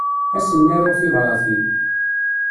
Ad sen-aruɣ tibratin.